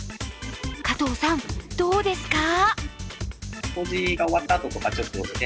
加藤さん、どうですか？